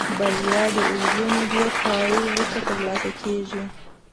بريا د اوږدې مودې خواريو وروسته ترلاسه کېږي.